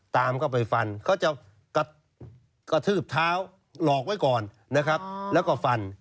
ตามเข้าไปฟันเขาจะกระทืบเท้าหลอกไว้ก่อนนะครับแล้วก็ฟัน